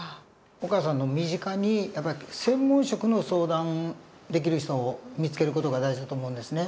お母さんの身近に専門職の相談できる人を見つける事が大事だと思うんですね。